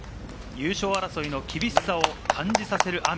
優勝争いの厳しさを感じさせる雨。